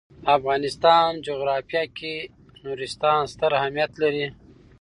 د افغانستان جغرافیه کې نورستان ستر اهمیت لري.